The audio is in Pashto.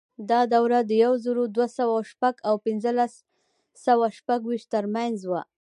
دا دوره د یو زر دوه سوه شپږ او پنځلس سوه شپږویشت ترمنځ وه.